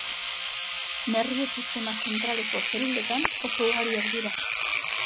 Nerbio-sistema zentraleko zeluletan oso ugariak dira.